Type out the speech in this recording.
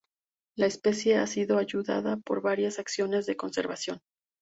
La especie ha sido ayudada por varias acciones de conservación.